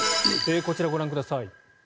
こちらをご覧ください。